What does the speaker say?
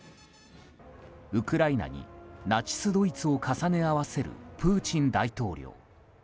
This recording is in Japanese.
ウクライナにナチスドイツを重ね合わせるプーチン大統領。